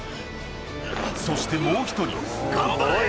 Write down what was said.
そしてもう１人頑張れ！